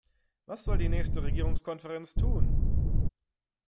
Was soll die nächste Regierungskonferenz tun?